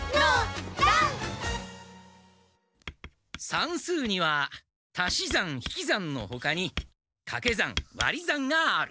算数には足し算引き算のほかにかけ算わり算がある。